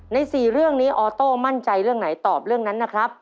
๔เรื่องนี้ออโต้มั่นใจเรื่องไหนตอบเรื่องนั้นนะครับ